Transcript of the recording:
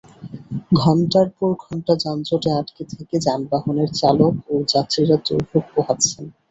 ঘণ্টার পর ঘণ্টা যানজটে আটকে থেকে যানবাহনের চালক ও যাত্রীরা দুর্ভোগ পোহাচ্ছেন।